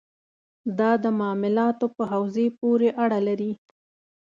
دا د معاملاتو په حوزې پورې اړه لري.